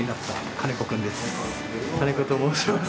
金子と申します。